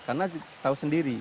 karena tahu sendiri